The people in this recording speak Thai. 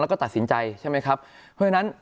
แล้วก็ตัดสินใจใช่ไหมครับเพราะฉะนั้น